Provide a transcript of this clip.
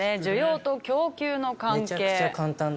需要と供給の関係。